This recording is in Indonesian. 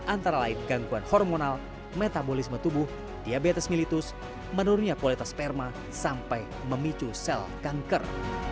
antara lain gangguan hormonal metabolisme tubuh diabetes melitus menurunnya kualitas sperma sampai memicu sel kanker